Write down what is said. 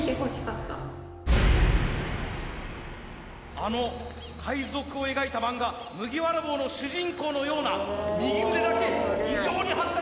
あの海賊を描いた漫画麦わら帽の主人公のような右腕だけ異常に発達！